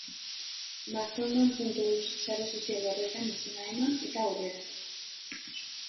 Mastodon.eus sare sozial horretan izena eman, eta aurrera.